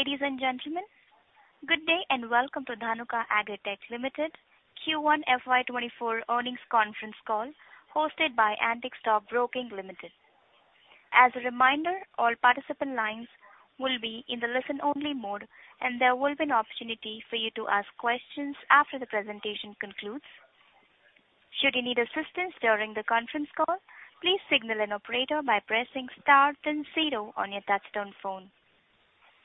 Ladies and gentlemen, good day, and welcome to Dhanuka Agritech Limited Q1 FY 2024 Earnings Conference Call, hosted by Antique Stock Broking Limited. As a reminder, all participant lines will be in the listen-only mode, and there will be an opportunity for you to ask questions after the presentation concludes. Should you need assistance during the conference call, please signal an operator by pressing star then zero on your touchtone phone.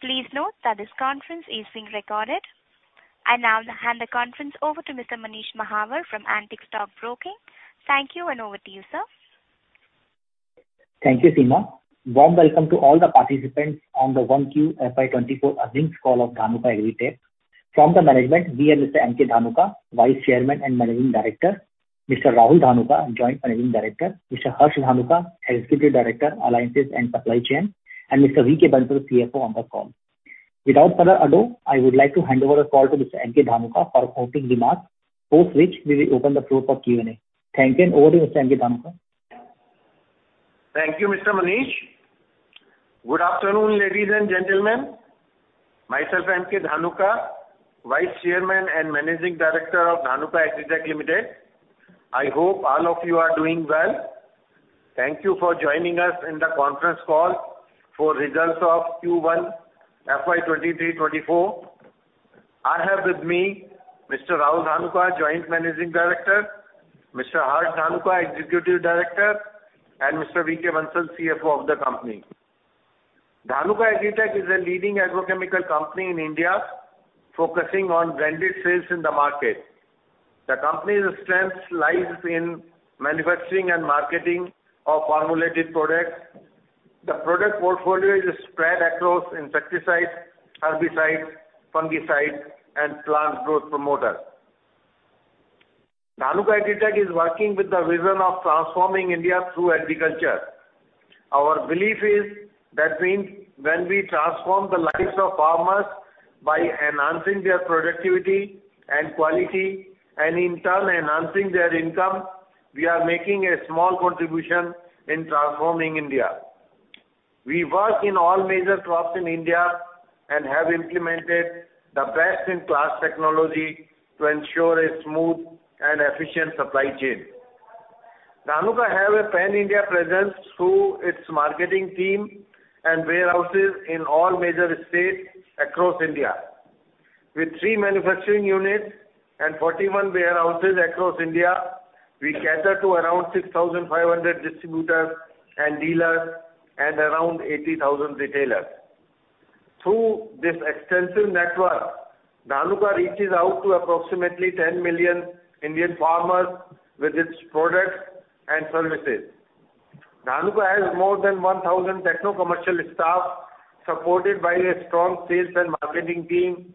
Please note that this conference is being recorded. I now hand the conference over to Mr. Manish Mahawar from Antique Stock Broking. Thank you, and over to you, sir. Thank you, Seema. Warm welcome to all the participants on the Q1 FY24 Earnings Call of Dhanuka Agritech. From the management, we have Mr. M.K. Dhanuka, Vice Chairman and Managing Director; Mr. Rahul Dhanuka, Joint Managing Director; Mr. Harsh Dhanuka, Executive Director, Alliances and Supply Chain, and Mr. V.K. Bansal, CFO on the call. Without further ado, I would like to hand over the call to Mr. M.K. Dhanuka for opening remarks, post which we will open the floor for Q&A. Thank you, and over to you, Mr. M.K. Dhanuka. Thank you, Mr. Manish. Good afternoon, ladies and gentlemen. Myself, M.K. Dhanuka, Vice Chairman and Managing Director of Dhanuka Agritech Limited. I hope all of you are doing well. Thank you for joining us in the conference call for results of Q1 FY 2023, 2024. I have with me Mr. Rahul Dhanuka, Joint Managing Director, Mr. Harsh Dhanuka, Executive Director, and Mr. V.K. Bansal, CFO of the company. Dhanuka Agritech is a leading agrochemical company in India, focusing on branded sales in the market. The company's strength lies in manufacturing and marketing of formulated products. The product portfolio is spread across insecticides, herbicides, fungicides, and plant growth promoters. Dhanuka Agritech is working with the vision of transforming India through agriculture. Our belief is that when we transform the lives of farmers by enhancing their productivity and quality, and in turn enhancing their income, we are making a small contribution in transforming India. We work in all major crops in India and have implemented the best-in-class technology to ensure a smooth and efficient supply chain. Dhanuka have a pan-India presence through its marketing team and warehouses in all major states across India. With three manufacturing units and 41 warehouses across India, we cater to around 6,500 distributors and dealers and around 80,000 retailers. Through this extensive network, Dhanuka reaches out to approximately 10 million Indian farmers with its products and services. Dhanuka has more than 1,000 techno-commercial staff, supported by a strong sales and marketing team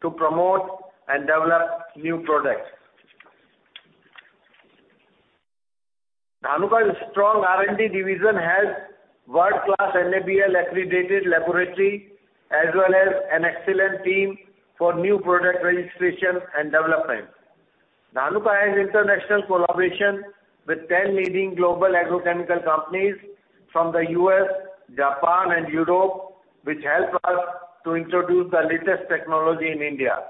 to promote and develop new products. Dhanuka's strong R&D division has world-class NABL accredited laboratory, as well as an excellent team for new product registration and development. Dhanuka has international collaboration with 10 leading global agrochemical companies from the US, Japan, and Europe, which help us to introduce the latest technology in India.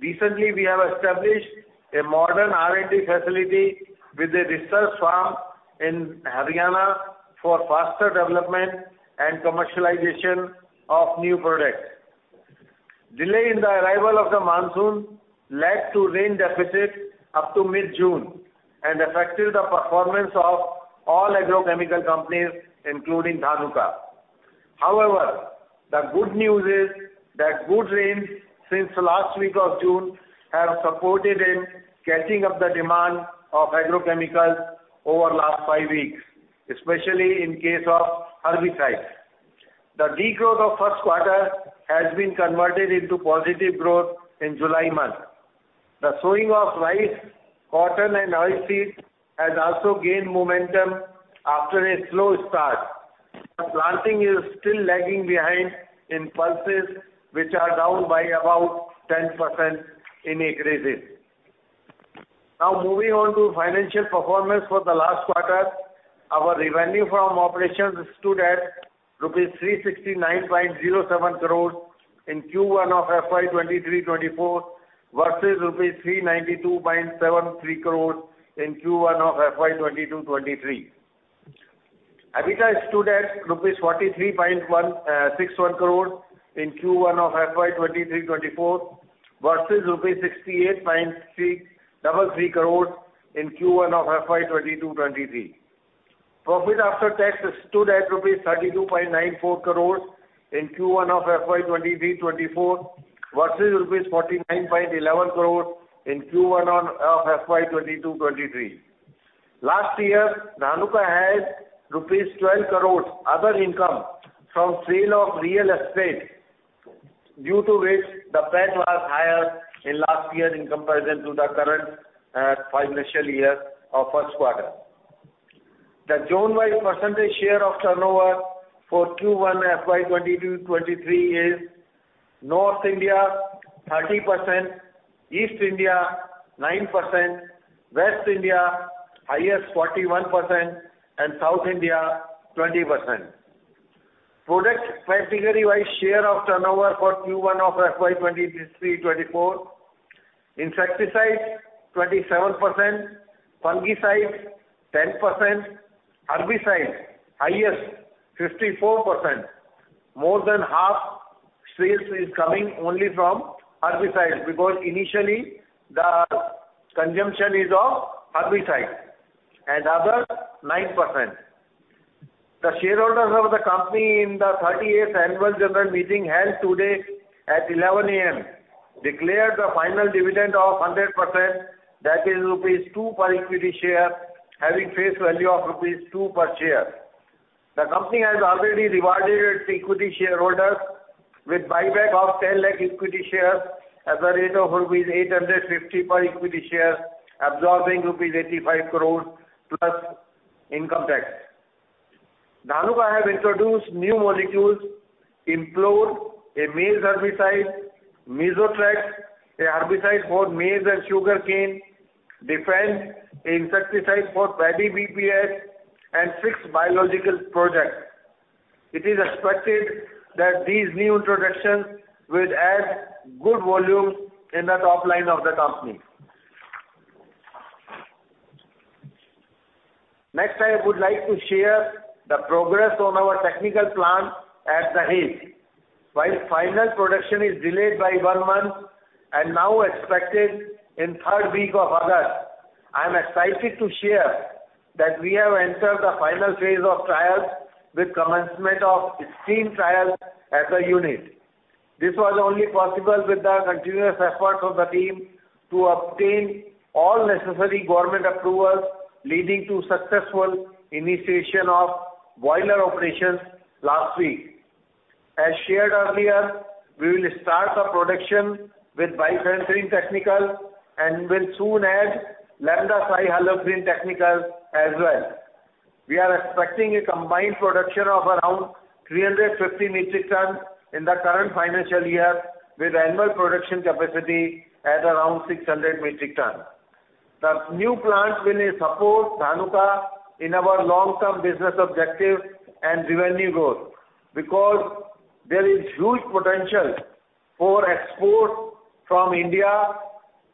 Recently, we have established a modern R&D facility with a research farm in Haryana for faster development and commercialization of new products. Delay in the arrival of the monsoon led to rain deficit up to mid-June and affected the performance of all agrochemical companies, including Dhanuka. The good news is that good rains since the last week of June have supported in catching up the demand of agrochemicals over last 5 weeks, especially in case of herbicides. The decline of Q1 has been converted into positive growth in July month. The sowing of rice, cotton, and oilseeds has also gained momentum after a slow start. Planting is still lagging behind in pulses, which are down by about 10% in acreages. Moving on to financial performance for the last quarter, our revenue from operations stood at rupees 369.07 crore in Q1 of FY2023-2024, versus rupees 392.73 crore in Q1 of FY2022-2023. EBITDA stood at INR 43.61 crore in Q1 of FY2023-2024, versus rupees 68.33 crore in Q1 of FY2022-2023. PAT stood at rupees 32.94 crore in Q1 of FY2023-2024, versus rupees 49.11 crore in Q1 of FY2022-2023. Last year, Dhanuka had rupees 12 crore other income from sale of real estate, due to which the PAT was higher in last year in comparison to the current financial year of Q1. The zone-wide percentage share of turnover for Q1 FY2022-2023 is North India, 30%; East India, 9%; West India, highest 41%, and South India, 20%. Product category-wise share of turnover for Q1 FY2023-2024: insecticides, 27%; fungicides, 10%; herbicides, highest, 54%. More than half sales is coming only from herbicides, because initially, the consumption is of herbicides, and other, 9%. The shareholders of the company in the 38th Annual General Meeting held today at 11:00 A.M., declared the final dividend of 100%, that is, rupees 2 per equity share, having face value of rupees 2 per share. The company has already rewarded its equity shareholders with buyback of 1,000,000 equity shares at the rate of rupees 850 per equity share, absorbing rupees 85 crore, plus income tax. Dhanuka have introduced new molecules, Implode, a maize herbicide, Mesotrax, a herbicide for maize and sugarcane, Defend, a insecticide for paddy BPH, and six biological products. It is expected that these new introductions will add good volumes in the top line of the company. Next, I would like to share the progress on our technical plant at Dahej. While final production is delayed by one month and now expected in third week of August, I'm excited to share that we have entered the final phase of trials with commencement of extreme trials at the unit. This was only possible with the continuous efforts of the team to obtain all necessary government approvals, leading to successful initiation of boiler operations last week. As shared earlier, we will start the production with Bifenthrin technical, and will soon add Lambda-Cyhalothrin technical as well. We are expecting a combined production of around 350 metric tons in the current financial year, with annual production capacity at around 600 metric tons. The new plant will support Dhanuka in our long-term business objective and revenue growth. There is huge potential for export from India,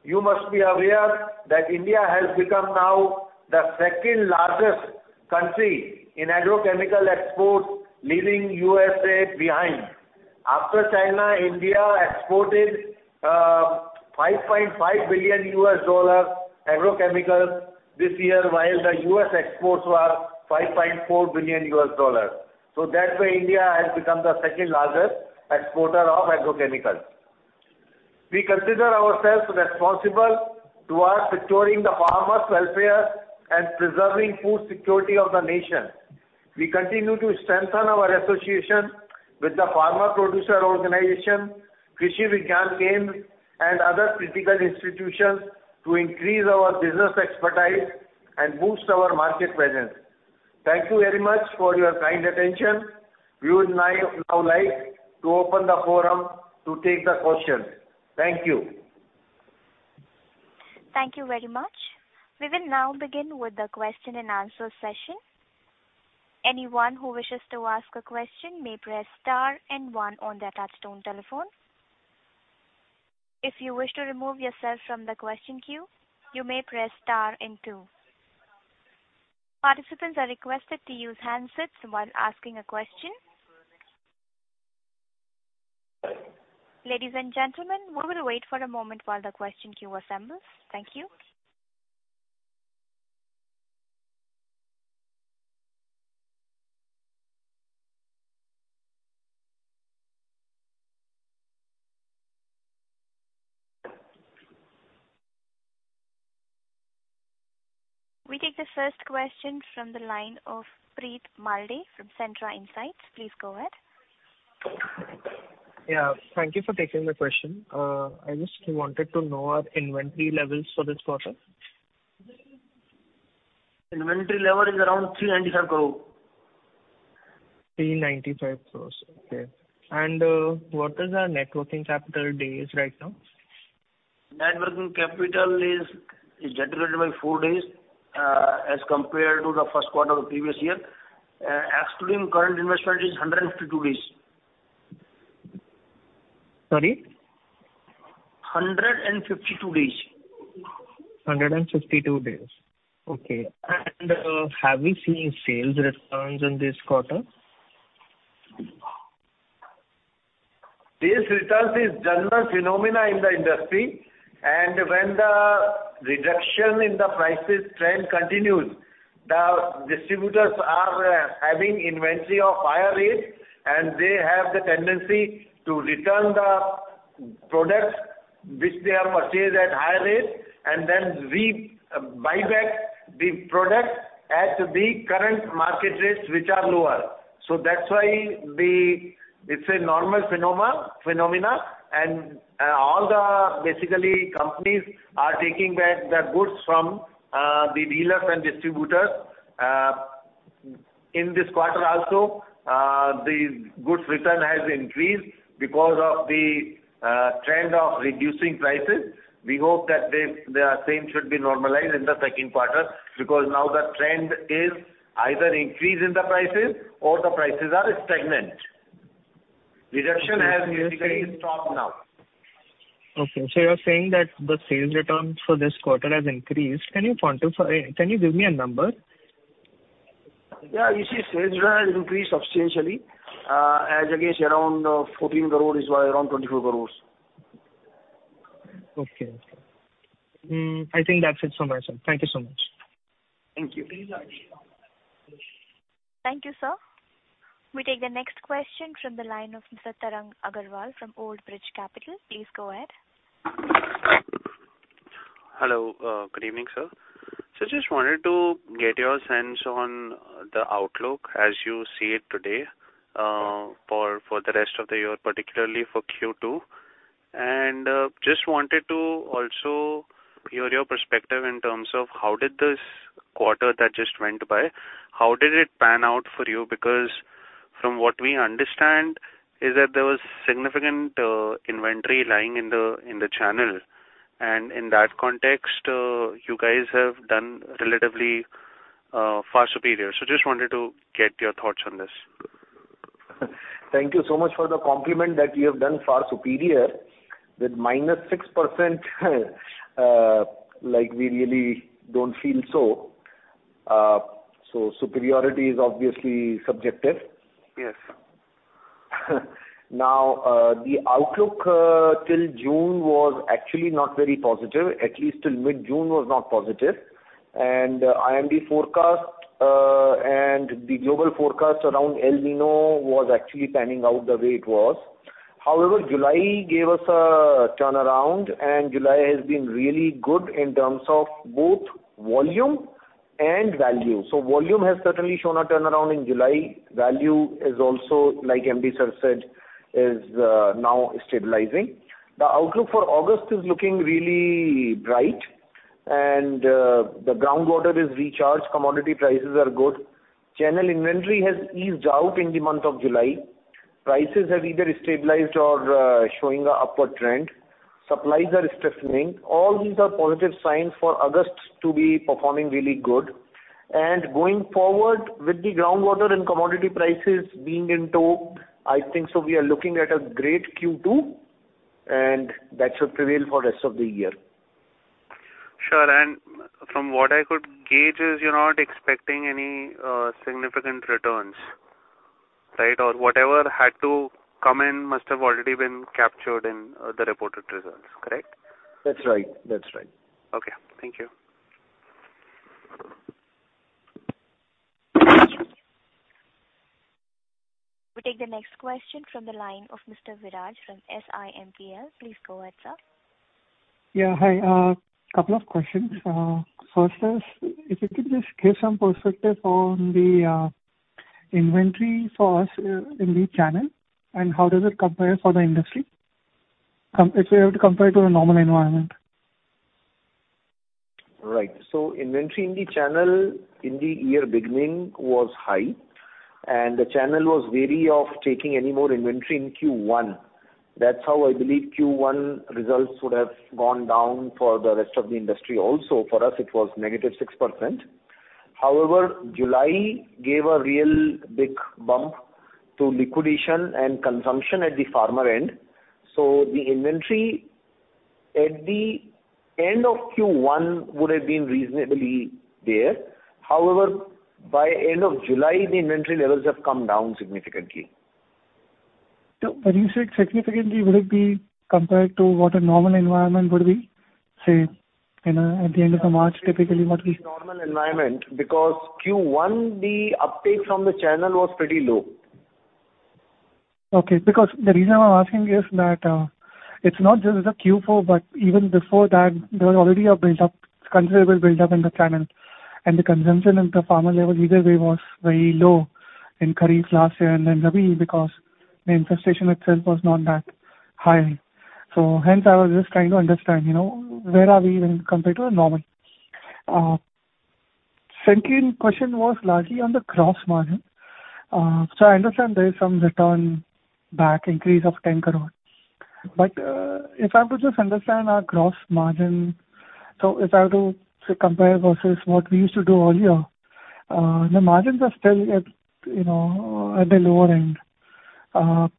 you must be aware that India has become now the second-largest country in agrochemical exports, leaving USA behind. After China, India exported $5.5 billion agrochemicals this year, while the US exports were $5.4 billion. That's why India has become the second-largest exporter of agrochemicals. We consider ourselves responsible towards securing the farmers' welfare and preserving food security of the nation. We continue to strengthen our association with the Farmer Producer Organization, Krishi Vigyan Kendras, and other critical institutions, to increase our business expertise and boost our market presence. Thank you very much for your kind attention. We would now like to open the forum to take the questions. Thank you. Thank you very much. We will now begin with the Q&A session. Anyone who wishes to ask a question may press star and one on their touchtone telephone. If you wish to remove yourself from the question queue, you may press star and two. Participants are requested to use handsets while asking a question. Ladies and gentlemen, we will wait for a moment while the question queue assembles. Thank you. We take the first question from the line of Preet Malde from Centra Insights. Please go ahead. Yeah, thank you for taking my question. I just wanted to know our inventory levels for this quarter. Inventory level is around 397 crore. 395 crore, okay. What is our net working capital days right now? Net working capital is generated by four days, as compared to the Q1 of the previous year. Excluding current investment, is 152 days. Sorry? 152 days. 152 days. Okay. Have we seen sales returns in this quarter? Sales return is general phenomena in the industry, and when the reduction in the prices trend continues, the distributors are having inventory of higher rates, and they have the tendency to return the products which they have purchased at higher rates, and then we buy back the product at the current market rates, which are lower. That's why the. It's a normal phenomena, and all the basically companies are taking back the goods from the dealers and distributors. In this quarter also, the goods return has increased because of the trend of reducing prices. We hope that this, the same should be normalized in the Q2, because now the trend is either increase in the prices or the prices are stagnant. Reduction has basically stopped now. Okay, you're saying that the sales returns for this quarter has increased. Can you give me a number? Yeah. You see, sales return has increased substantially, as against around 14 crore is around 24 crore. Okay. I think that's it from my side. Thank you so much. Thank you. Thank you, sir. We take the next question from the line of Mr. Tarang Agarwal from Old Bridge Capital. Please go ahead. Hello. good evening, sir. Just wanted to get your sense on the outlook as you see it today, for, for the rest of the year, particularly for Q2. Just wanted to also hear your perspective in terms of how did this quarter that just went by, how did it pan out for you? From what we understand is that there was significant, inventory lying in the, in the channel, and in that context, you guys have done relatively, far superior. Just wanted to get your thoughts on this. Thank you so much for the compliment that we have done far superior. With -6%, like, we really don't feel so. So superiority is obviously subjective. Yes. Now, the outlook, till June was actually not very positive. At least till mid-June was not positive. IMD forecast, and the global forecast around El Niño was actually panning out the way it was. However, July gave us a turnaround, and July has been really good in terms of both volume and value. Volume has certainly shown a turnaround in July. Value is also, like MD sir said, is, now stabilizing. The outlook for August is looking really bright, and the groundwater is recharged, commodity prices are good. Channel inventory has eased out in the month of July. Prices have either stabilized or showing a upward trend. Supplies are strengthening. All these are positive signs for August to be performing really good. Going forward with the groundwater and commodity prices being in tow, I think so we are looking at a great Q2, and that should prevail for rest of the year. Sure, from what I could gauge is you're not expecting any significant returns, right? Whatever had to come in must have already been captured in the reported results, correct? That's right. That's right. Okay, thank you. We take the next question from the line of Mr. Viraj from SiMPL. Please go ahead, sir. Yeah, hi, two questions. First is, if you could just give some perspective on the inventory for us in the channel, and how does it compare for the industry? If we have to compare it to a normal environment. Right. Inventory in the channel in the year beginning was high, and the channel was wary of taking any more inventory in Q1. That's how I believe Q1 results would have gone down for the rest of the industry also. For us, it was -6%. However, July gave a real big bump to liquidation and consumption at the farmer end, so the inventory at the end of Q1 would have been reasonably there. However, by end of July, the inventory levels have come down significantly. When you say significantly, would it be compared to what a normal environment would be, say, you know, at the end of March, typically what we. Normal environment, because Q1, the uptake from the channel was pretty low. Okay, because the reason I'm asking is that, it's not just as a Q4, but even before that, there was already a build-up, considerable build-up in the channel, and the consumption at the farmer level either way was very low in Kharif last year and then Rabi, because the infestation itself was not that high. Hence, I was just trying to understand, you know, where are we when compared to a normal? Second question was largely on the gross margin. I understand there is some return back increase of 10 crore. If I have to just understand our gross margin, if I have to compare versus what we used to do earlier, the margins are still at, you know, at the lower end. Other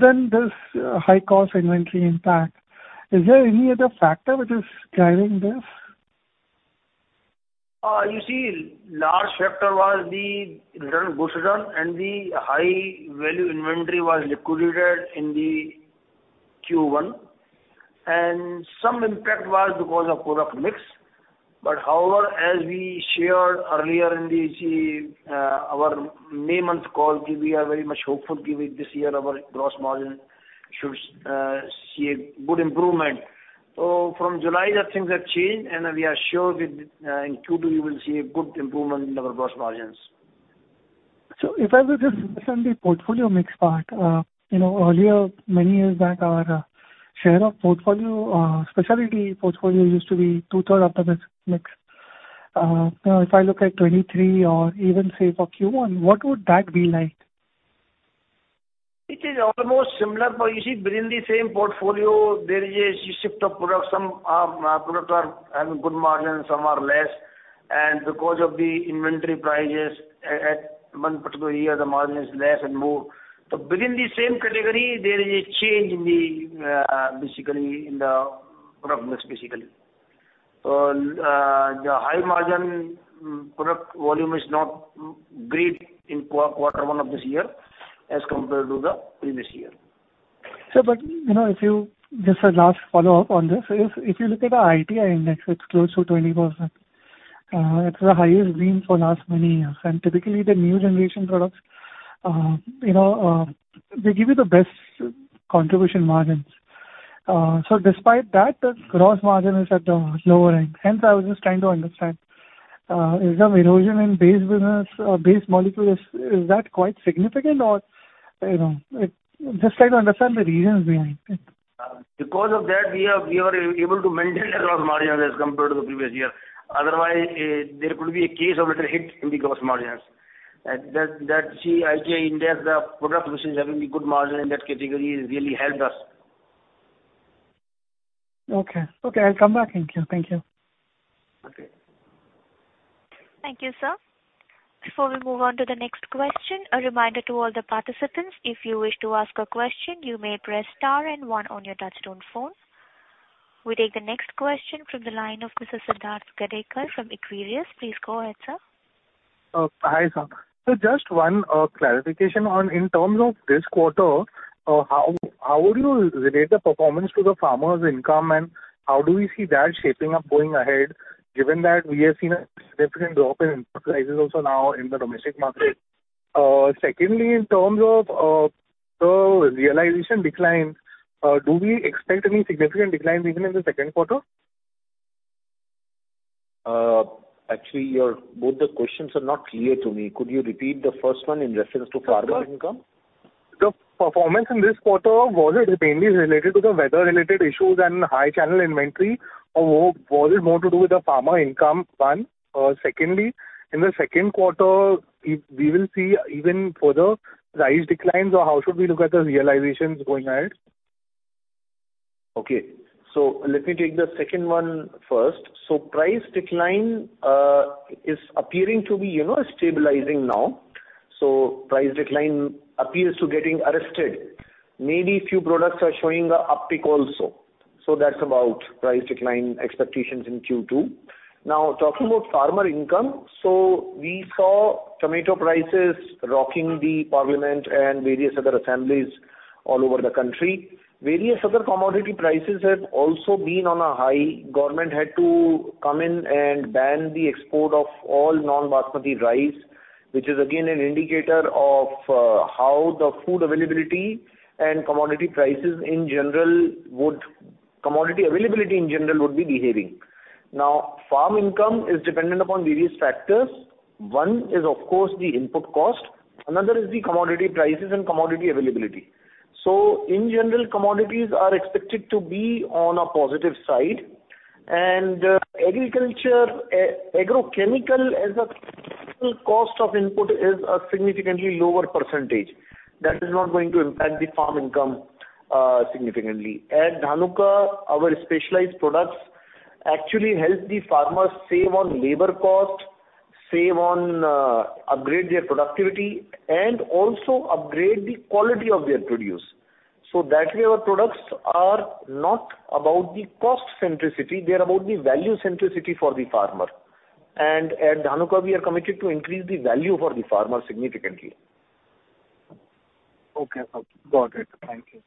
than this high-cost inventory impact, is there any other factor which is driving this? You see, large factor was the return, goods return. The high value inventory was liquidated in the Q1. Some impact was because of product mix. However, as we shared earlier in the, our May month call, we are very much hopeful giving this year our gross margin should see a good improvement. From July, the things have changed, and we are sure that in Q2 we will see a good improvement in our gross margins. If I were just on the portfolio mix part, you know, earlier, many years back, our share of portfolio, specialty portfolio used to be 2/3 of the mix. Now, if I look at 23 or even say for Q1, what would that be like? It is almost similar, you see, within the same portfolio, there is a shift of products. Some products are having good margin, some are less. Because of the inventory prices at one particular year, the margin is less and more. Within the same category, there is a change in the basically in the product mix. The high margin product volume is not great in Q1 of this year as compared to the previous year. Sir, you know, if you, just a last follow-up on this. If you look at the ITI index, it's close to 20%. It's the highest been for last many years, and typically, the new generation products, you know, they give you the best contribution margins. Despite that, the gross margin is at the lower end. Hence, I was just trying to understand, is the erosion in base business or base molecule, is that quite significant or, you know, Just try to understand the reasons behind it. Because of that, we are, we were able to maintain the gross margin as compared to the previous year. Otherwise, there could be a case of little hit in the gross margins. That, that, see, ITI index, the product which is having the good margin in that category has really helped us. Okay. Okay, I'll come back. Thank you. Thank you. Okay. Thank you, sir. Before we move on to the next question, a reminder to all the participants. If you wish to ask a question, you may press star and one on your touchtone phone. We take the next question from the line of Mr. Siddharth Gadekar from Equirus. Please go ahead, sir. Hi, sir. Just one clarification on in terms of this quarter, how, how would you relate the performance to the farmers' income, and how do you see that shaping up going ahead, given that we have seen a significant drop in input prices also now in the domestic market? Secondly, in terms of the realization declines, do we expect any significant declines even in the Q2? Actually, your both the questions are not clear to me. Could you repeat the first one in reference to farmer income? The performance in this quarter, was it mainly related to the weather-related issues and high channel inventory, or was it more to do with the farmer income? One. Secondly, in the Q2, if we will see even further price declines, or how should we look at the realizations going ahead? Let me take the second one first. Price decline is appearing to be, you know, stabilizing now. Price decline appears to getting arrested. Maybe few products are showing a uptick also. That's about price decline expectations in Q2. Talking about farmer income, we saw tomato prices rocking the parliament and various other assemblies all over the country. Various other commodity prices have also been on a high. Government had to come in and ban the export of all non-basmati rice, which is again an indicator of how the food availability and commodity prices in general would. Commodity availability in general would be behaving. Farm income is dependent upon various factors. One is, of course, the input cost. Another is the commodity prices and commodity availability. In general, commodities are expected to be on a positive side, and, agriculture, agrochemical as a cost of input is a significantly lower percentage. That is not going to impact the farm income, significantly. At Dhanuka, our specialized products actually help the farmers save on labor cost, save on, upgrade their productivity, and also upgrade the quality of their produce. That way, our products are not about the cost centricity, they are about the value centricity for the farmer. At Dhanuka, we are committed to increase the value for the farmer significantly. Okay, sir. Got it. Thank you.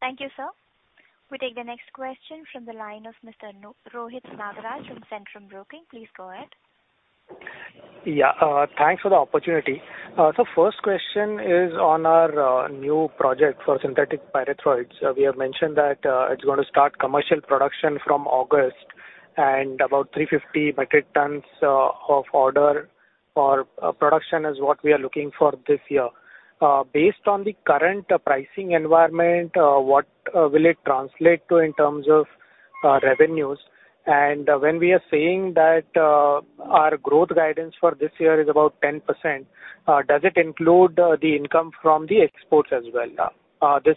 Thank you, sir. We take the next question from the line of Mr. Rohit Nagraj from Centrum Broking. Please go ahead. Yeah, thanks for the opportunity. First question is on our new project for synthetic pyrethroids. We have mentioned that it's gonna start commercial production from August, and about 350 metric tons of order for production is what we are looking for this year. Based on the current pricing environment, what will it translate to in terms of revenues? When we are saying that our growth guidance for this year is about 10%, does it include the income from the exports as well, this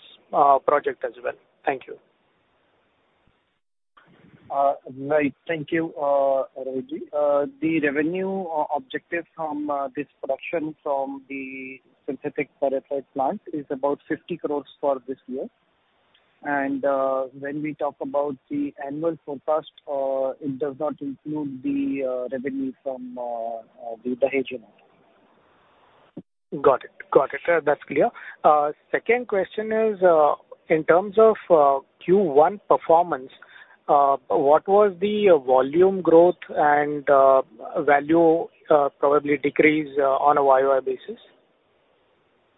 project as well? Thank you. Right. Thank you, Rohit. The revenue objective from this production from the synthetic pyrethroid plant is about 50 crore for this year. When we talk about the annual forecast, it does not include the revenue from the Dahej unit. Got it. Got it. That's clear. Second question is, in terms of Q1 performance, what was the volume growth and value probably decrease on a YOY basis?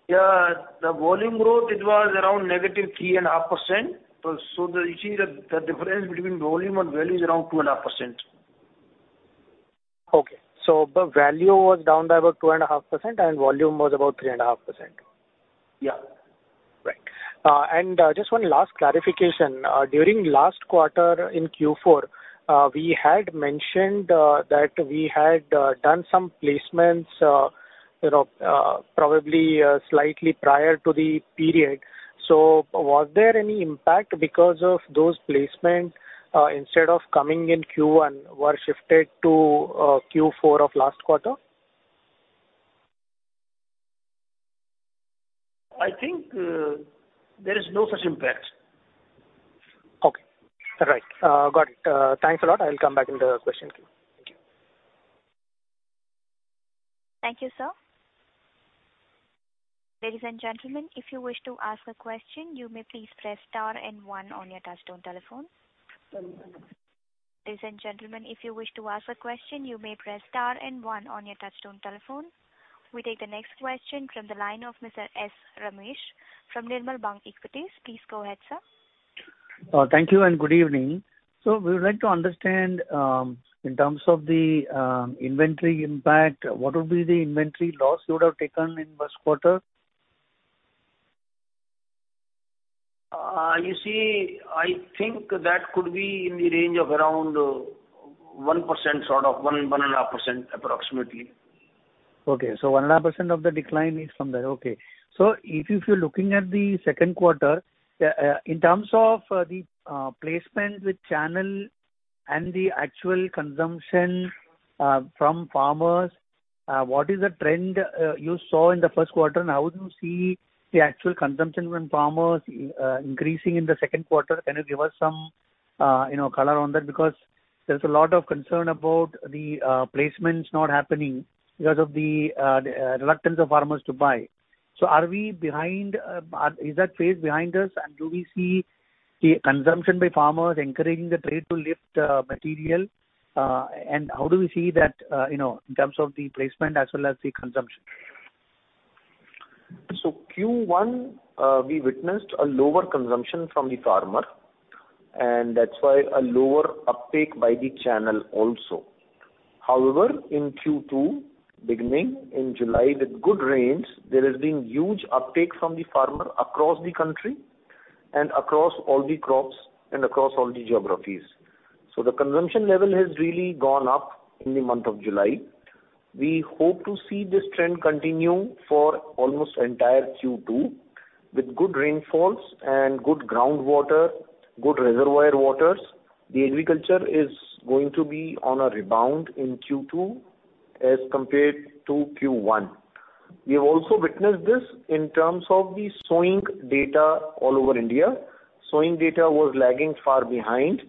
Yeah, the volume growth, it was around negative 3.5%. you see, the difference between volume and value is around 2.5%. Okay. The value was down by about 2.5%, and volume was about 3.5%? Yeah. Right. Just one last clarification. During last quarter, in Q4, we had mentioned that we had done some placements, you know, probably slightly prior to the period. Was there any impact because of those placement, instead of coming in Q1, were shifted to Q4 of last quarter? I think there is no such impact. Okay. All right. Got it. Thanks a lot. I will come back in the question queue. Thank you. Thank you, sir. Ladies and gentlemen, if you wish to ask a question, you may please press star and one on your touchtone telephone. Ladies and gentlemen, if you wish to ask a question, you may press star and one on your touchtone telephone. We take the next question from the line of Mr. Ramesh Sankaranarayanan from Nirmal Bang Equities. Please go ahead, sir. Thank you and good evening. We would like to understand, in terms of the inventory impact, what would be the inventory loss you would have taken in Q1? You see, I think that could be in the range of around, 1%, sort of 1%-1.5%, approximately. Okay, 1.5% of the decline is from that. Okay. If you're looking at the Q2, in terms of the placement with channel and the actual consumption, from farmers, what is the trend you saw in the Q1, and how do you see the actual consumption from farmers, increasing in the Q2? Can you give us some, you know, color on that? Because there's a lot of concern about the placements not happening because of the reluctance of farmers to buy. Are we behind? Is that phase behind us? Do we see the consumption by farmers encouraging the trade to lift material? How do we see that, you know, in terms of the placement as well as the consumption? Q1, we witnessed a lower consumption from the farmer, and that's why a lower uptake by the channel also. However, in Q2, beginning in July, with good rains, there has been huge uptake from the farmer across the country and across all the crops and across all the geographies. The consumption level has really gone up in the month of July. We hope to see this trend continue for almost entire Q2. With good rainfalls and good groundwater, good reservoir waters, the agriculture is going to be on a rebound in Q2 as compared to Q1. We have also witnessed this in terms of the sowing data all over India. Sowing data was lagging far behind.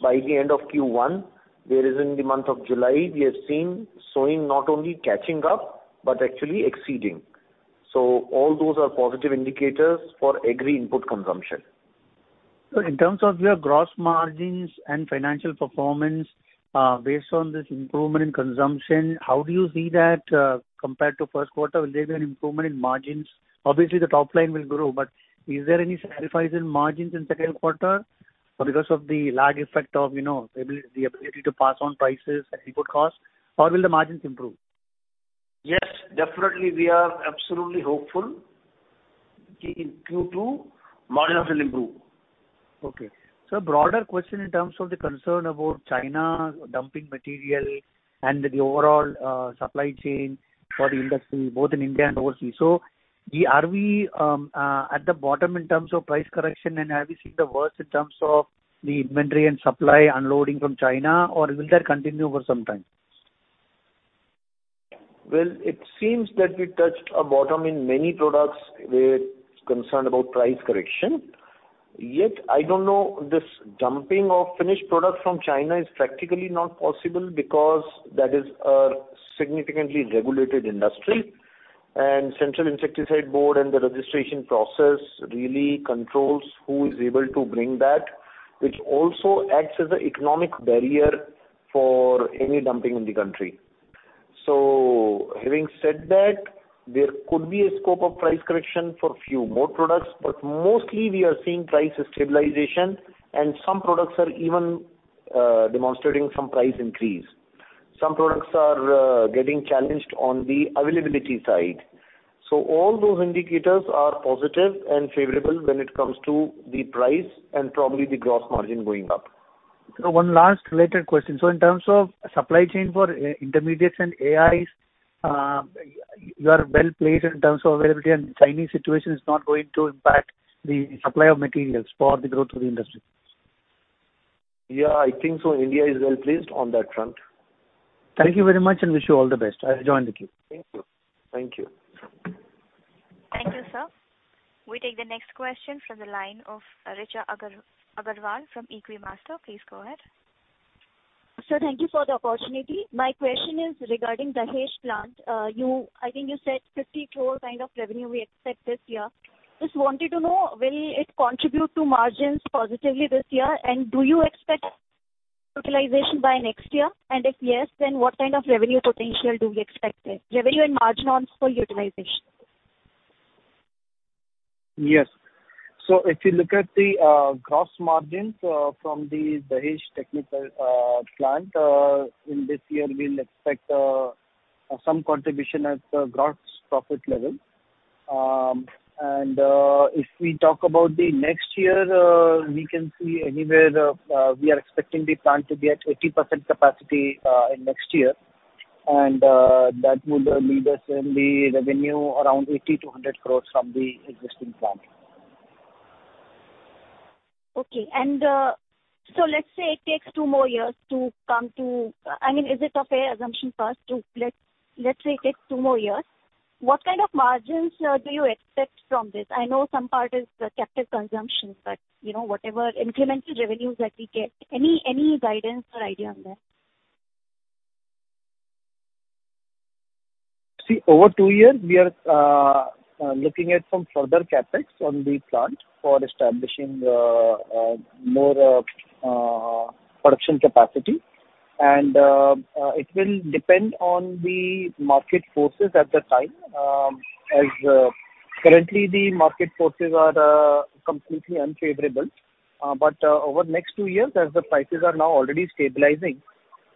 By the end of Q1, whereas in the month of July, we have seen sowing not only catching up, but actually exceeding. All those are positive indicators for agri-input consumption. In terms of your gross margins and financial performance, based on this improvement in consumption, how do you see that compared to Q1? Will there be an improvement in margins? Obviously, the top line will grow, but is there any sacrifice in margins in Q2 because of the large effect of, you know, the ability to pass on prices and input costs? Will the margins improve? Yes, definitely, we are absolutely hopeful that in Q2, margins will improve. Okay. A broader question in terms of the concern about China dumping material and the overall supply chain for the industry, both in India and overseas. We, are we, at the bottom in terms of price correction, and have you seen the worst in terms of the inventory and supply unloading from China, or will that continue for some time? Well, it seems that we touched a bottom in many products where concerned about price correction. I don't know, this dumping of finished products from China is practically not possible because that is a significantly regulated industry. Central Insecticides Board and the registration process really controls who is able to bring that, which also acts as an economic barrier for any dumping in the country. Having said that, there could be a scope of price correction for few more products, but mostly we are seeing price stabilization, and some products are even demonstrating some price increase. Some products are getting challenged on the availability side. All those indicators are positive and favorable when it comes to the price and probably the gross margin going up. One last related question. In terms of supply chain for intermediates and AIs, you are well placed in terms of availability, and Chinese situation is not going to impact the supply of materials for the growth of the industry? Yeah, I think so. India is well placed on that front. Thank you very much, and wish you all the best. I'll join the queue. Thank you. Thank you. Thank you, sir. We take the next question from the line of Richa Agarwal from Equitymaster. Please go ahead. Sir, thank you for the opportunity. My question is regarding Dahesh plant. You, I think you said 50 crore kind of revenue we expect this year. Just wanted to know, will it contribute to margins positively this year? Do you expect utilization by next year? If yes, then what kind of revenue potential do we expect there? Revenue and margin on full utilization. Yes. If you look at the gross margins from the Dahej technical plant in this year, we'll expect some contribution at the gross profit level. If we talk about the next year, we can see anywhere we are expecting the plant to be at 80% capacity in next year. That would lead us in the revenue around 80-100 crore from the existing plant. Okay. Let's say it takes two more years to come to. I mean, is it a fair assumption for us to, let's, let's say it takes two more years, what kind of margins do you expect from this? I know some part is the captive consumption, you know, whatever incremental revenues that we get, any, any guidance or idea on that? See, over two years, we are looking at some further CapEx on the plant for establishing more production capacity. It will depend on the market forces at the time. Currently, the market forces are completely unfavorable. Over the next two years, as the prices are now already stabilizing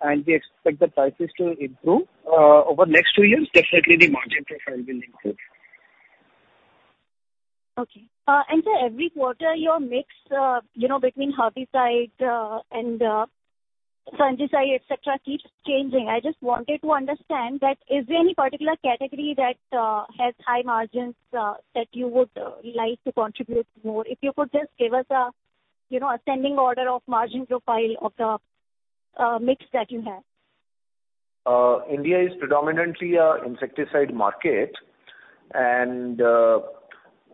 and we expect the prices to improve over the next two years, definitely the margin profile will improve. Okay. Sir, every quarter, your mix, you know, between herbicide and fungicide, et cetera, keeps changing. I just wanted to understand that is there any particular category that has high margins that you would like to contribute more? If you could just give us a, you know, ascending order of margin profile of the mix that you have. India is predominantly a insecticide market,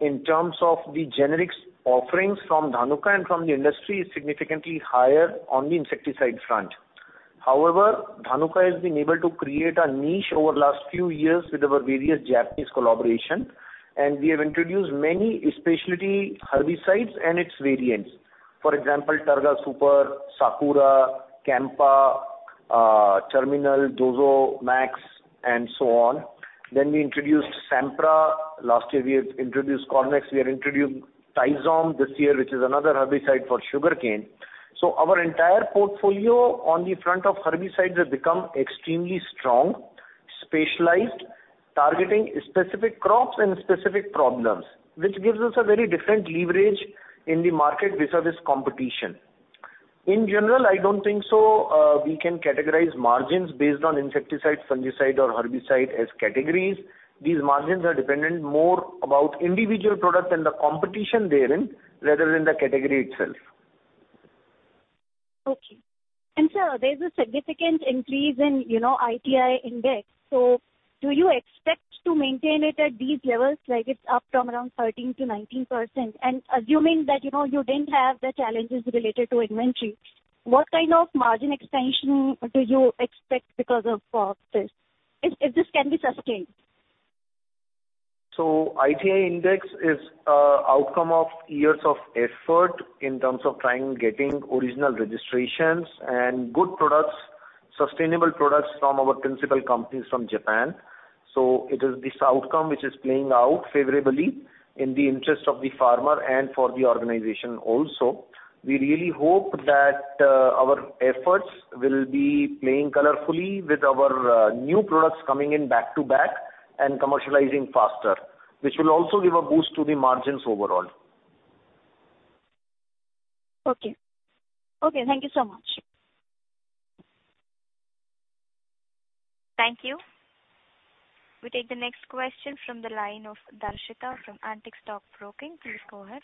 in terms of the generics offerings from Dhanuka and from the industry is significantly higher on the insecticide front. However, Dhanuka has been able to create a niche over the last few years with our various Japanese collaboration, we have introduced many specialty herbicides and its variants. For example, Targa Super, Sakura, Chempa, Terminal, Dozo, Max-Soy, and so on. We introduced Sempra. Last year we introduced Cornex, we have introduced Tizom this year, which is another herbicide for sugarcane. Our entire portfolio on the front of herbicides has become extremely strong, specialized, targeting specific crops and specific problems, which gives us a very different leverage in the market vis-a-vis competition. In general, I don't think so, we can categorize margins based on insecticide, fungicide, or herbicide as categories. These margins are dependent more about individual products and the competition therein, rather than the category itself. Okay. Sir, there's a significant increase in, you know, ITI index. Do you expect to maintain it at these levels, like it's up from around 13%-19%? Assuming that, you know, you didn't have the challenges related to inventory, what kind of margin expansion do you expect because of this, if, if this can be sustained? ITI index is outcome of years of effort in terms of trying getting original registrations and good products, sustainable products from our principal companies from Japan. It is this outcome which is playing out favorably in the interest of the farmer and for the organization also. We really hope that our efforts will be playing colorfully with our new products coming in back to back and commercializing faster, which will also give a boost to the margins overall. Okay. Okay, thank you so much. Thank you. We take the next question from the line of Darshita from Antique Stock Broking. Please go ahead.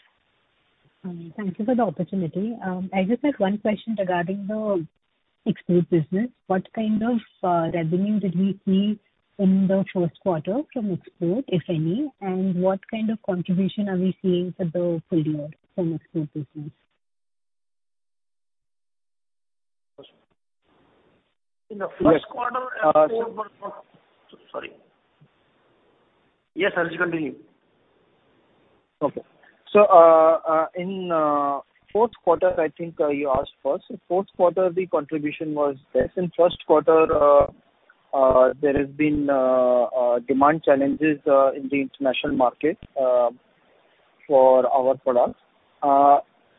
Thank you for the opportunity. I just have one question regarding the export business. What kind of revenue did we see in the Q1 from export, if any? What kind of contribution are we seeing for the full year from export business? In the Q1. Sorry. Yes, Darshita, continue. Okay. In Q4, I think, you asked first. In Q4, the contribution was less. In Q1, there has been demand challenges in the international market for our products.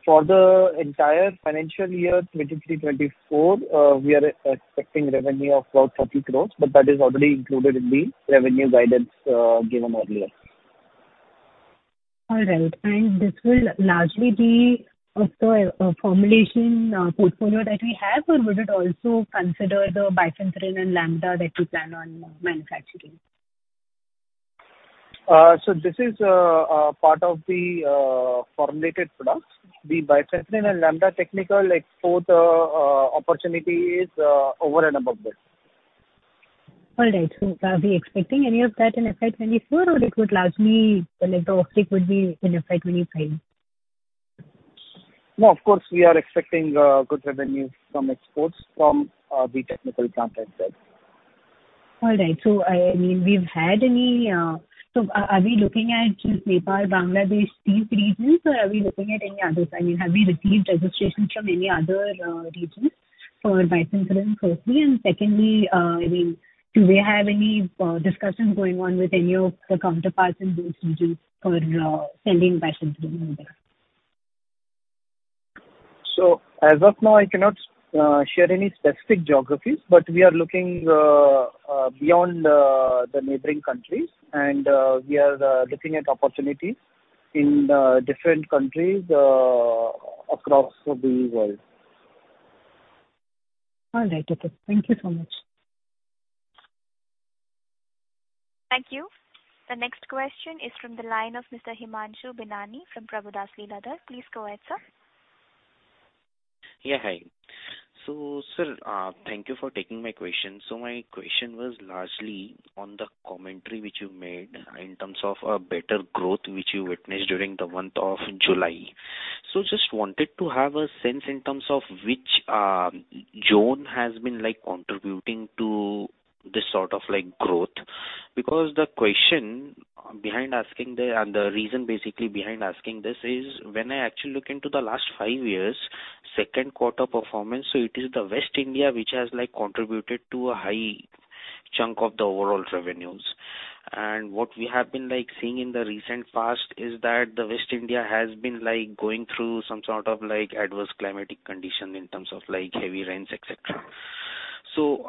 For the entire financial year 2023-2024, we are expecting revenue of about 30 crore, but that is already included in the revenue guidance given earlier. All right. This will largely be of the formulation portfolio that we have, or would it also consider the Bifenthrin and Lambda that you plan on manufacturing? This is a part of the formulated products. The Bifenthrin and Lambda technical export opportunity is over and above this. All right. Are we expecting any of that in FY 2024, or it would largely the electric would be in FY 2025? No, of course, we are expecting, good revenue from exports from, the technical plant itself. All right. I, I mean, we've had any, so a-are we looking at just Nepal, Bangladesh, these regions, or are we looking at any others? I mean, have we received registrations from any other regions for Bifenthrin, firstly? Secondly, I mean, do we have any discussions going on with any of the counterparts in those regions for sending Bifenthrin over there? As of now, I cannot share any specific geographies, but we are looking beyond the neighboring countries, and we are looking at opportunities in different countries across the world. All right. Okay. Thank you so much. Thank you. The next question is from the line of Mr. Himanshu Binani from Prabhudas Lilladher. Please go ahead, sir. Yeah, hi. Sir, thank you for taking my question. My question was largely on the commentary which you made in terms of a better growth, which you witnessed during the month of July. Just wanted to have a sense in terms of which zone has been contributing to this sort of growth. Because the reason basically behind asking this is when I actually look into the last five years, Q2 performance, it is the West India, which has contributed to a high chunk of the overall revenues. What we have been seeing in the recent past is that the West India has been going through some sort of adverse climatic condition in terms of heavy rains, et cetera.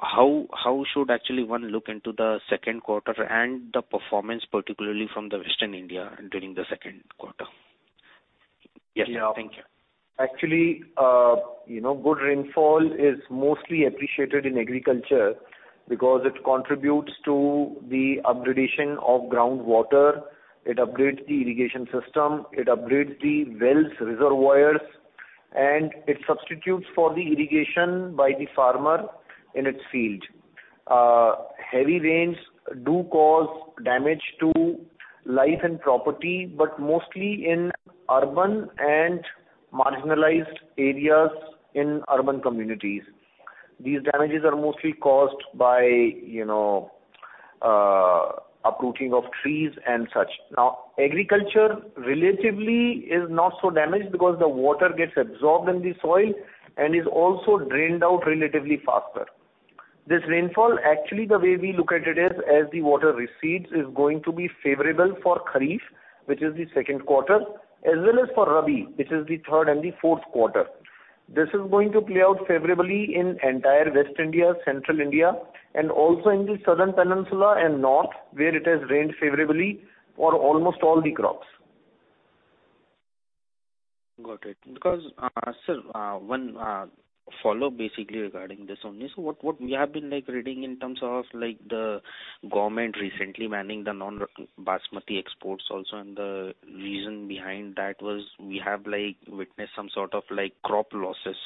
How, how should actually one look into the Q2 and the performance, particularly from the Western India during the Q2? Yes. Thank you. Actually, you know, good rainfall is mostly appreciated in agriculture because it contributes to the upgradation of groundwater, it upgrades the irrigation system, it upgrades the wells, reservoirs, and it substitutes for the irrigation by the farmer in its field. Heavy rains do cause damage to life and property, but mostly in urban and marginalized areas in urban communities. These damages are mostly caused by, you know, uprooting of trees and such. Agriculture relatively is not so damaged because the water gets absorbed in the soil and is also drained out relatively faster. This rainfall, actually, the way we look at it is, as the water recedes, is going to be favorable for kharif, which is the Q2, as well as for rabi, which is the Q3 and the Q4. This is going to play out favorably in entire West India, Central India, and also in the Southern Peninsula and north, where it has rained favorably for almost all the crops. Got it. Because, sir, one follow-up basically regarding this only. What, what we have been like reading in terms of like the government recently banning the non-basmati exports also, and the reason behind that was we have, like, witnessed some sort of, like, crop losses,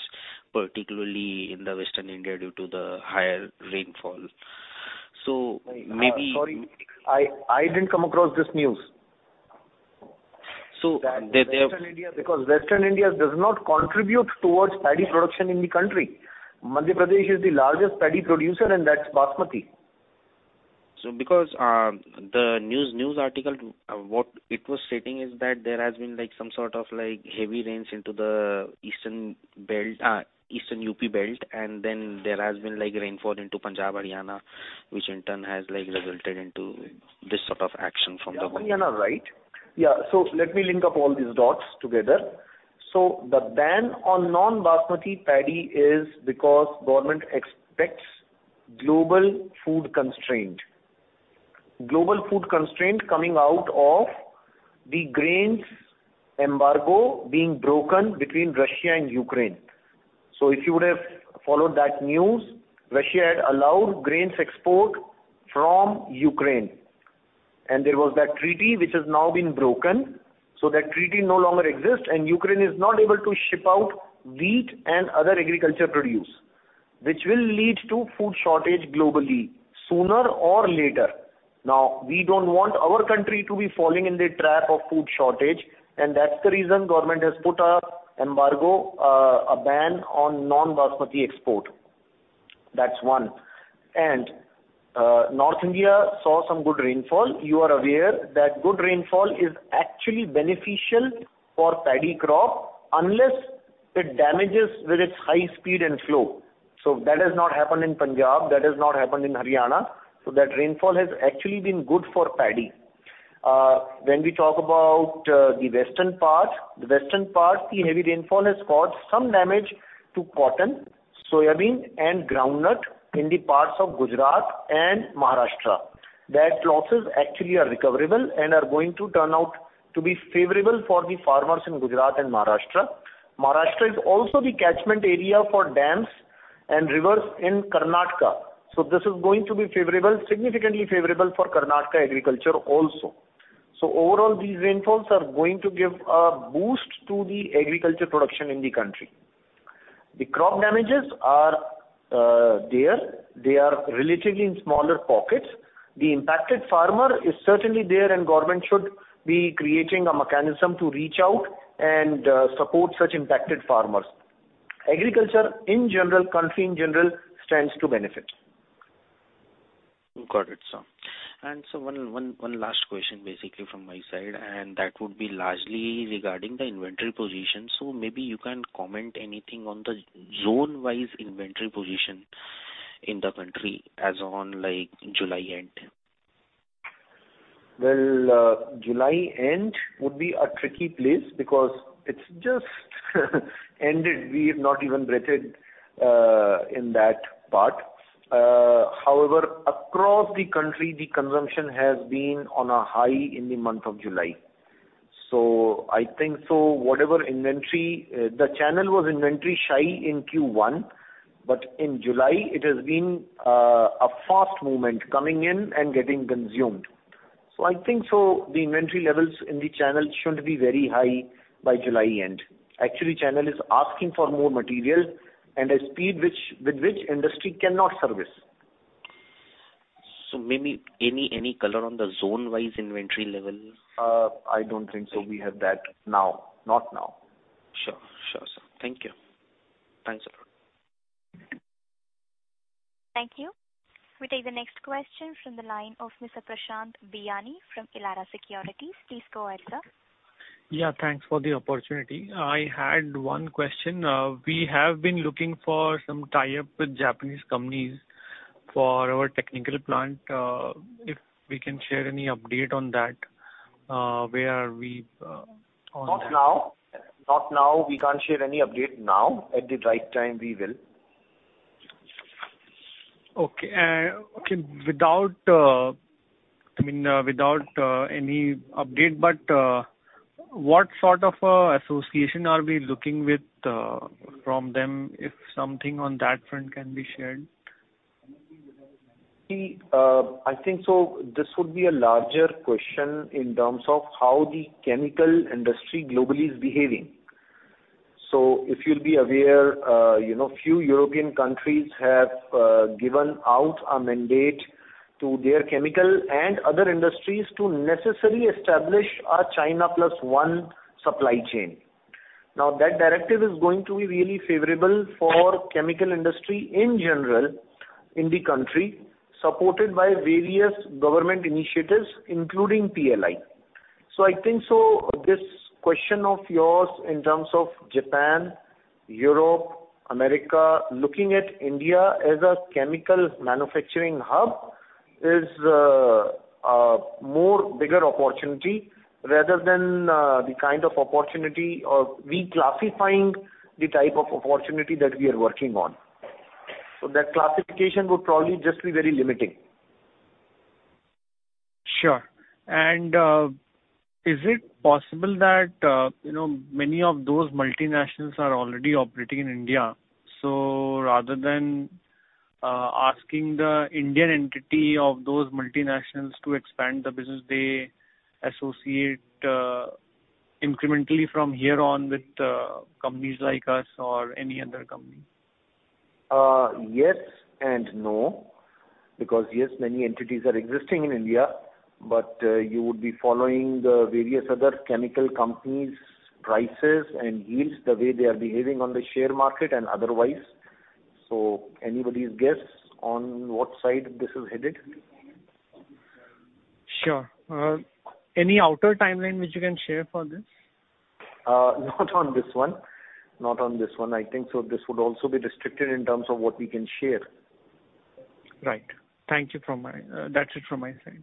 particularly in the Western India, due to the higher rainfall. Maybe. Sorry, I, I didn't come across this news. The. West India does not contribute towards paddy production in the country. Madhya Pradesh is the largest paddy producer, and that's basmati. Because, the news, news article, what it was stating is that there has been, like, some sort of, like, heavy rains into the eastern belt, eastern UP belt, and then there has been, like, rainfall into Punjab, Haryana, which in turn has, like, resulted into this sort of action from the government. Yeah, Haryana, right. Let me link up all these dots together. The ban on non-basmati paddy is because government expects global food constraint. Global food constraint coming out of the grains embargo being broken between Russia and Ukraine. If you would have followed that news, Russia had allowed grains export from Ukraine, and there was that treaty, which has now been broken. That treaty no longer exists, and Ukraine is not able to ship out wheat and other agriculture produce, which will lead to food shortage globally, sooner or later. Now, we don't want our country to be falling in the trap of food shortage, and that's the reason government has put a embargo, a ban on non-basmati export. That's one. North India saw some good rainfall. You are aware that good rainfall is actually beneficial for paddy crop, unless it damages with its high speed and flow. That has not happened in Punjab, that has not happened in Haryana, so that rainfall has actually been good for paddy. When we talk about the western part, the western part, the heavy rainfall has caused some damage to cotton, soybean, and groundnut in the parts of Gujarat and Maharashtra. That losses actually are recoverable and are going to turn out to be favorable for the farmers in Gujarat and Maharashtra. Maharashtra is also the catchment area for dams and rivers in Karnataka, so this is going to be favorable, significantly favorable for Karnataka agriculture also. Overall, these rainfalls are going to give a boost to the agriculture production in the country. The crop damages are there. They are relatively in smaller pockets. The impacted farmer is certainly there, and government should be creating a mechanism to reach out and support such impacted farmers. Agriculture in general, country in general, stands to benefit. Got it, sir. So one last question, basically, from my side, and that would be largely regarding the inventory position. Maybe you can comment anything on the zone-wise inventory position in the country as on, like, July end? Well, July end would be a tricky place because it's just ended. We have not even breathed in that part. However, across the country, the consumption has been on a high in the month of July. I think so whatever inventory the channel was inventory shy in Q1, but in July it has been a fast movement coming in and getting consumed. I think so the inventory levels in the channel shouldn't be very high by July end. Actually, channel is asking for more material and a speed with which industry cannot service. Maybe any color on the zone-wise inventory level? I don't think so we have that now. Not now. Sure. Sure, sir. Thank you. Thanks a lot. Thank you. We take the next question from the line of Mr. Prashant Biyani from Elara Securities. Please go ahead, sir. Yeah, thanks for the opportunity. I had one question. We have been looking for some tie-up with Japanese companies for our technical plant, if we can share any update on that, where are we on that? Not now. Not now. We can't share any update now. At the right time, we will. Okay, okay, without, I mean, without, any update, but, what sort of a association are we looking with, from them, if something on that front can be shared? See, I think so this would be a larger question in terms of how the chemical industry globally is behaving. If you'll be aware, you know, few European countries have given out a mandate to their chemical and other industries to necessarily establish a China plus one supply chain. That directive is going to be really favorable for chemical industry in general in the country, supported by various government initiatives, including PLI. I think so this question of yours in terms of Japan, Europe, America, looking at India as a chemical manufacturing hub is a more bigger opportunity rather than the kind of opportunity of we classifying the type of opportunity that we are working on. That classification would probably just be very limiting. Sure. Is it possible that, you know, many of those multinationals are already operating in India, so rather than, asking the Indian entity of those multinationals to expand the business, they associate, incrementally from here on with, companies like us or any other company? Yes and no, because, yes, many entities are existing in India, but you would be following the various other chemical companies' prices and yields, the way they are behaving on the share market and otherwise. Anybody's guess on what side this is headed. Sure. Any outer timeline which you can share for this? Not on this one. Not on this one. I think so this would also be restricted in terms of what we can share. Right. Thank you from my, that's it from my side.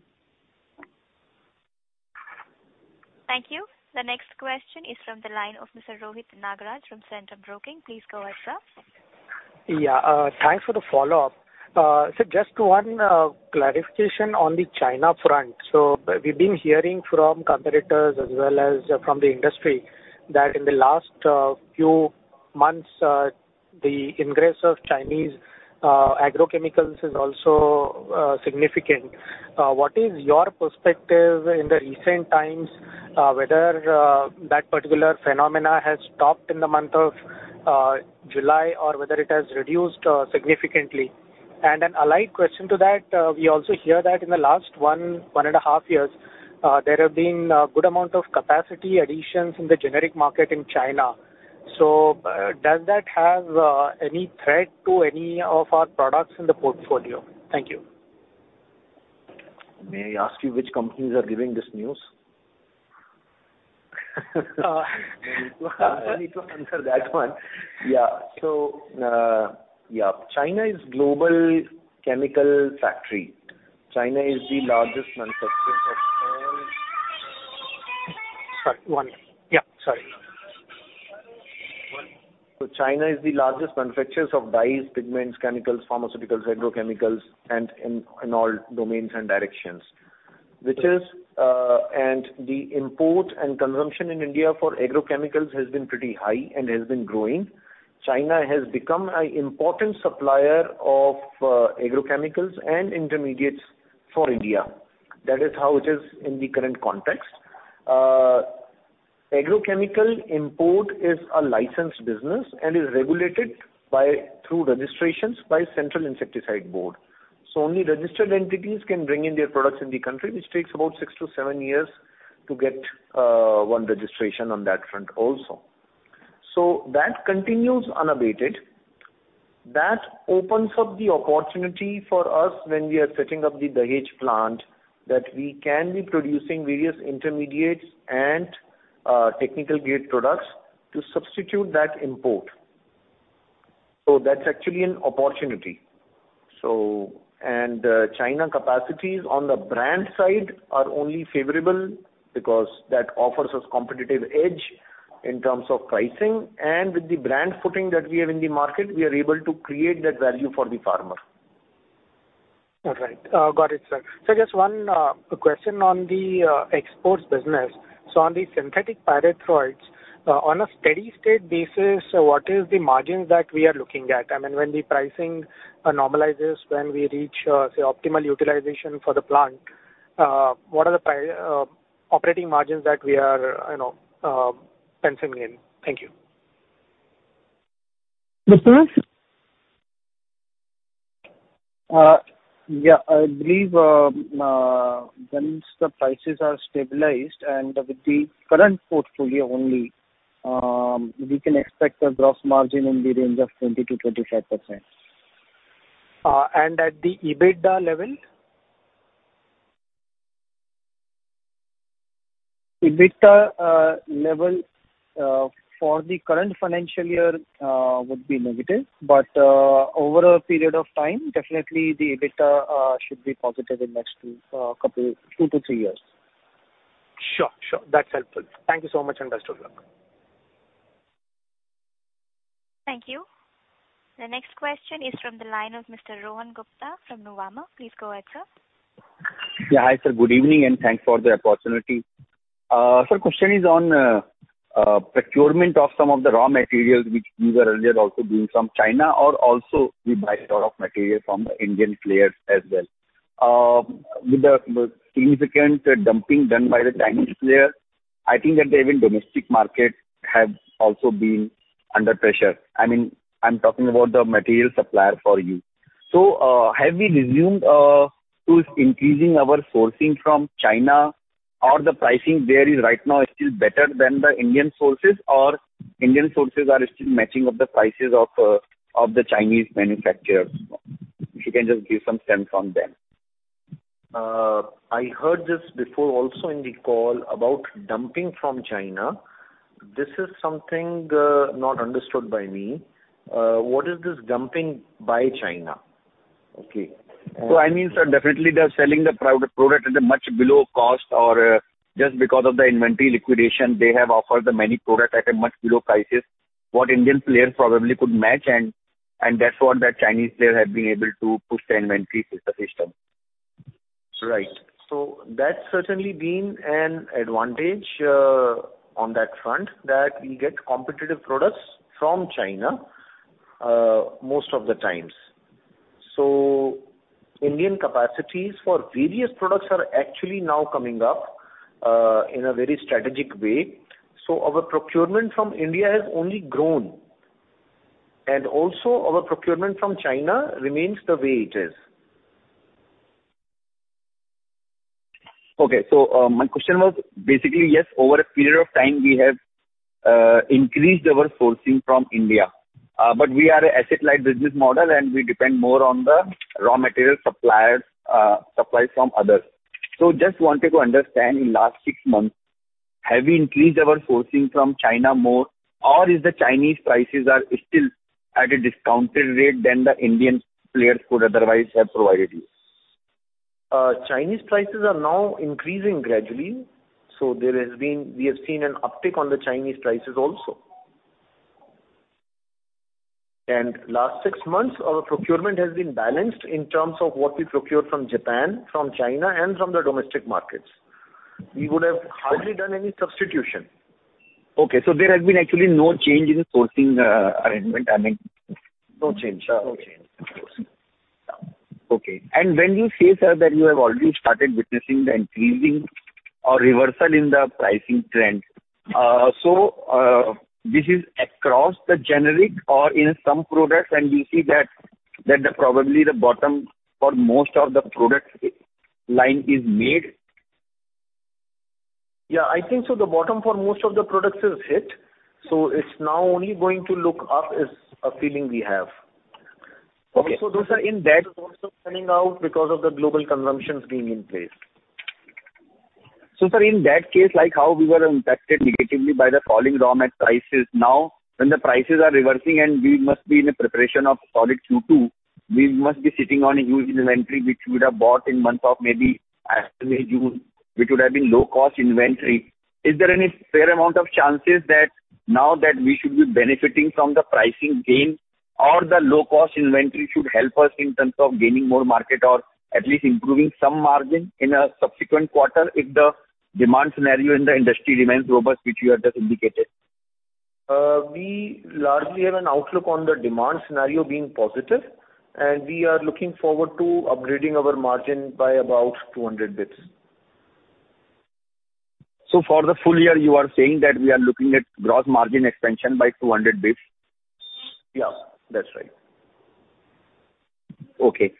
Thank you. The next question is from the line of Mr. Rohit Nagraj from Centrum Broking. Please go ahead, sir. Yeah, thanks for the follow-up. Just one clarification on the China front. We've been hearing from competitors as well as from the industry, that in the last few months, the ingress of Chinese agrochemicals is also significant. What is your perspective in the recent times, whether that particular phenomena has stopped in the month of July or whether it has reduced significantly? An allied question to that, we also hear that in the last one, 1.5 years, there have been a good amount of capacity additions in the generic market in China. Does that have any threat to any of our products in the portfolio? Thank you. May I ask you which companies are giving this news? You will have to answer that one. Yeah. Yeah, China is global chemical factory. China is the largest manufacturer of all. Sorry, one. Yeah, sorry. China is the largest manufacturers of dyes, pigments, chemicals, pharmaceuticals, agrochemicals, and in, in all domains and directions. Which is, and the import and consumption in India for agrochemicals has been pretty high and has been growing. China has become an important supplier of agrochemicals and intermediates for India. That is how it is in the current context. Agrochemical import is a licensed business and is regulated by, through registrations by Central Insecticide Board. Only registered entities can bring in their products in the country, which takes about 6-7years to get one registration on that front also. That continues unabated. That opens up the opportunity for us when we are setting up the Dahej plant, that we can be producing various intermediates and technical grade products to substitute that import. That's actually an opportunity. China capacities on the brand side are only favorable because that offers us competitive edge in terms of pricing, and with the brand footing that we have in the market, we are able to create that value for the farmer. All right. Got it, sir. Just one question on the exports business. On the synthetic pyrethroids, on a steady state basis, what is the margins that we are looking at? I mean, when the pricing normalizes, when we reach, say, optimal utilization for the plant, what are the operating margins that we are, you know, penciling in? Thank you. Dipesh? Yeah, I believe, once the prices are stabilized and with the current portfolio only, we can expect a gross margin in the range of 20%-25%. At the EBITDA level? EBITDA level for the current financial year would be negative. Over a period of time, definitely the EBITDA should be positive in next couple, 2-3 years. Sure, sure. That's helpful. Thank you so much, and best of luck. Thank you. The next question is from the line of Mr. Rohan Gupta from Nuvama. Please go ahead, sir. Yeah, hi, sir, good evening, thanks for the opportunity. Sir, question is on procurement of some of the raw materials which you were earlier also doing from China or also you buy lot of material from the Indian players as well. With the significant dumping done by the Chinese player, I think that even domestic market has also been under pressure. I mean, I'm talking about the material supplier for you. Have we resumed to increasing our sourcing from China, or the pricing there is right now still better than the Indian sources, or Indian sources are still matching up the prices of the Chinese manufacturers? If you can just give some sense on them. I heard this before also in the call about dumping from China. This is something not understood by me. What is this dumping by China? Okay. I mean, sir, definitely they're selling the product at a much below cost or, just because of the inventory liquidation, they have offered the many product at a much below prices, what Indian players probably could match, and that's what the Chinese player have been able to push the inventory into the system. Right. That's certainly been an advantage on that front, that we get competitive products from China most of the times. Indian capacities for various products are actually now coming up in a very strategic way. Our procurement from India has only grown, and also our procurement from China remains the way it is. Okay. My question was basically, yes, over a period of time, we have increased our sourcing from India, but we are a asset-light business model, and we depend more on the raw material suppliers, supplies from others. Just wanted to understand, in last six months, have we increased our sourcing from China more, or is the Chinese prices are still at a discounted rate than the Indian players could otherwise have provided you? Chinese prices are now increasing gradually, so we have seen an uptick on the Chinese prices also. Last six months, our procurement has been balanced in terms of what we procure from Japan, from China, and from the domestic markets. We would have hardly done any substitution. Okay, there has been actually no change in the sourcing, arrangement, I mean? No change. Okay. When you say, sir, that you have already started witnessing the increasing or reversal in the pricing trend, this is across the generic or in some products, and we see that, that the probably the bottom for most of the product line is made? Yeah, I think so the bottom for most of the products is hit. It's now only going to look up is a feeling we have. Okay. Those are in debt also coming out because of the global consumption being in place. Sir, in that case, like how we were impacted negatively by the falling raw mat prices, now, when the prices are reversing and we must be in a preparation of solid Q2, we must be sitting on a huge inventory, which we would have bought in month of maybe, actually June, which would have been low-cost inventory. Is there any fair amount of chances that now that we should be benefiting from the pricing gain or the low-cost inventory should help us in terms of gaining more market or at least improving some margin in a subsequent quarter if the demand scenario in the industry remains robust, which you have just indicated? We largely have an outlook on the demand scenario being positive, and we are looking forward to upgrading our margin by about 200 bits. So for the full year, you are saying that we are looking at gross margin expansion by 200 base? Yeah, that's right. Okay.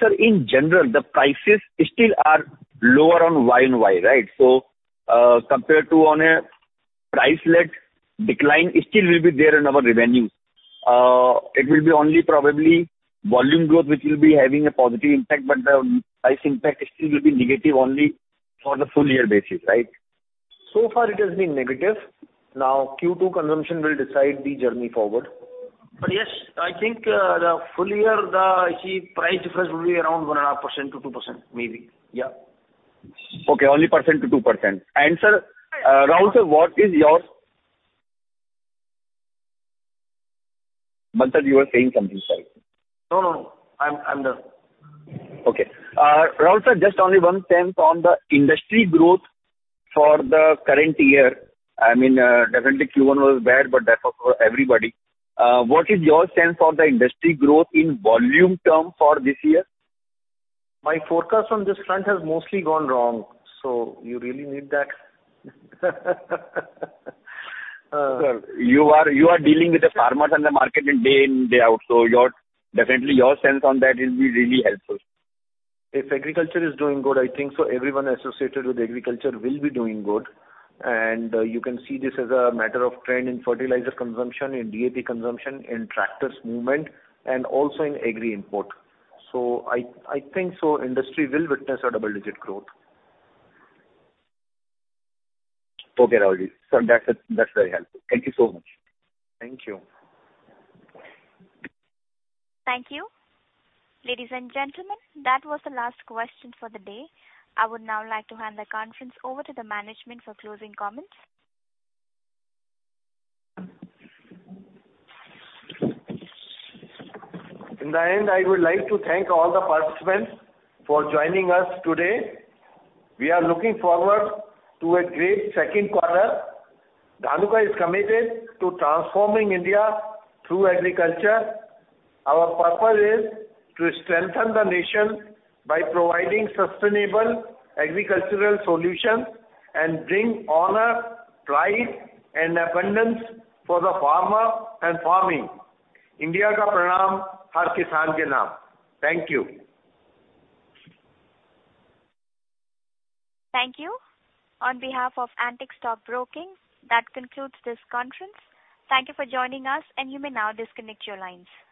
Sir, in general, the prices still are lower on Y and Y, right? Compared to on a price-led decline, still will be there in our revenue. It will be only probably volume growth, which will be having a positive impact, but the price impact still will be negative only for the full year basis, right? Far it has been negative. Now, Q2 consumption will decide the journey forward. Yes, I think, the full year, I see price difference will be around 1.5%-2%, maybe. Yeah. Okay, only percent to 2%. sir, Rahul sir, Manzar, you were saying something, sorry. No, no, I'm, I'm done. Okay. Rahul sir, just only one sense on the industry growth for the current year. I mean, definitely Q1 was bad, but that was for everybody. What is your sense for the industry growth in volume term for this year? My forecast on this front has mostly gone wrong, so you really need that? Sir, you are, you are dealing with the farmers and the market in day in, day out, so definitely your sense on that will be really helpful. If agriculture is doing good, I think so everyone associated with agriculture will be doing good. You can see this as a matter of trend in fertilizer consumption, in DAP consumption, in tractors movement, and also in agri import. I, I think so industry will witness a double-digit growth. Okay, Rahul. That's it. That's very helpful. Thank you so much. Thank you. Thank you. Ladies and gentlemen, that was the last question for the day. I would now like to hand the conference over to the management for closing comments. In the end, I would like to thank all the participants for joining us today. We are looking forward to a great Q2. Dhanuka is committed to transforming India through agriculture. Our purpose is to strengthen the nation by providing sustainable agricultural solutions and bring honor, pride, and abundance for the farmer and farming. "...India ka pranam har kisan ke naam." Thank you. Thank you. On behalf of Antique Stock Broking, that concludes this conference. Thank you for joining us, and you may now disconnect your lines.